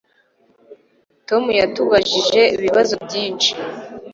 Tom yatubajije ibibazo byinshi